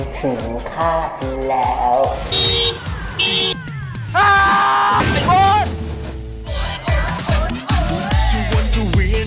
เตียต้องเป็นของแฟนคุณเดียว